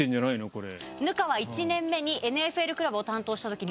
これ。